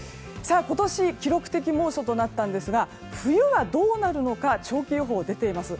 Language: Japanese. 今年記録的猛暑となったんですが冬はどうなるのか長期予報が出ています。